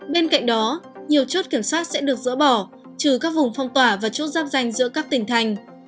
bên cạnh đó nhiều chốt kiểm soát sẽ được dỡ bỏ trừ các vùng phong tỏa và chốt giáp danh giữa các tỉnh thành